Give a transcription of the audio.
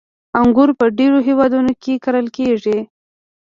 • انګور په ډېرو هېوادونو کې کرل کېږي.